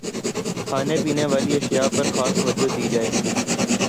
کھانے پینے والی اشیا پرخاص توجہ دی جائے